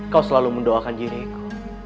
kau selalu mendoakan diriku